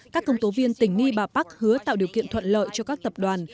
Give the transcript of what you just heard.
các công tố viên tỉnh nghi bà park hứa tạo điều kiện thuận lợi cho các tập đoàn